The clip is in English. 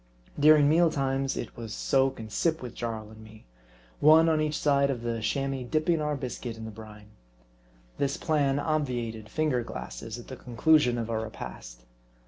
During meal times it was soak and sip with Jarl and me : one on each side of the Chamois dipping our biscuit in the brine. This plan obviated finger glasses at the conclusion of our repast.